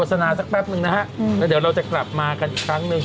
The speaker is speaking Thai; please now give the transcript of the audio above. สนาสักแป๊บนึงนะฮะแล้วเดี๋ยวเราจะกลับมากันอีกครั้งหนึ่ง